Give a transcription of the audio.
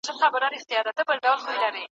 هغې خپل ژوند په خپله جوړ کړ.